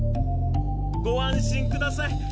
ご安心ください。